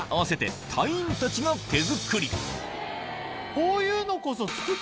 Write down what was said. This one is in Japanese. こういうのこそ。